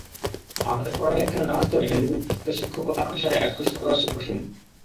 আমাদের পড়ালেখার নানা স্তরে মেধাবী স্নাতকদের শিক্ষকতা পেশায় আকৃষ্ট করা সুকঠিন।